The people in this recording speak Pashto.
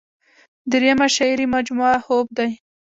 دريمه شعري مجموعه خوب دے ۔